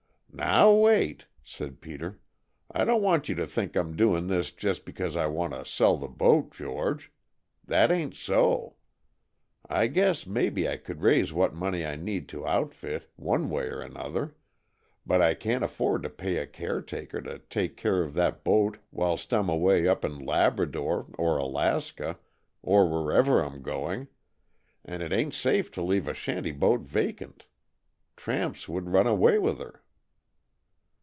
"Now, wait!" said Peter. "I don't want you to think I'm doing this just because I want to sell the boat, George. That ain't so. I guess maybe I could raise what money I need to outfit, one way or another, but I can't afford to pay a caretaker to take care of that boat whilst I'm away up in Labrador, or Alaska, or wherever I'm going, and it ain't safe to leave a shanty boat vacant. Tramps would run away with her."